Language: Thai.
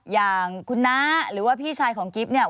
อย่างคุณน้าหรือว่าพี่ชายของกิ๊บเนี่ย